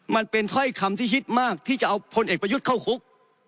มันเป็นถ้อยคำที่ฮิตมากที่จะเอาพลเอกประยุทธ์เข้าคุก